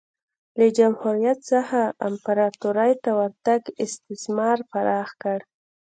له جمهوریت څخه امپراتورۍ ته ورتګ استثمار پراخ کړ